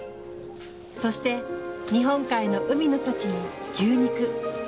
そして日本海の海の幸に牛肉。